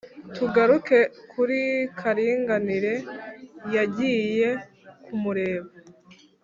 tugaruke kuri karinganire yagiye kumureba.